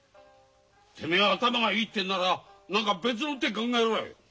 てめえが頭がいいってんなら何か別の手考えろい。